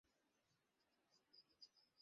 যদি আবার মারেন, আমিও পাল্টা মারব।